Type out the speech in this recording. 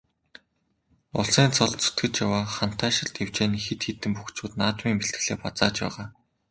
Улсын цолд зүтгэж яваа Хантайшир дэвжээний хэд хэдэн бөхчүүд наадмын бэлтгэлээ базааж байгаа.